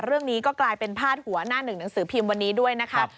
เรื่องนี้ก็กลายเป็นพาดหัวหน้าหนึ่งหนังสือพิมพ์วันนี้ด้วยนะครับ